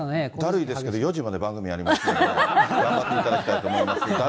だるいですけど、４時まで番組ありますから、頑張っていただきたいと思います。